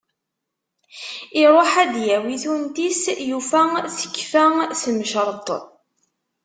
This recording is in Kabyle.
Iruḥ ad d-yawi tunt-is, yufa tekfa tmecreṭ.